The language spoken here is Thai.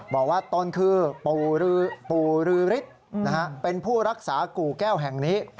บอกว่าตนคือปู่รือฤทธิ์เป็นผู้รักษากู่แก้วแห่งนี้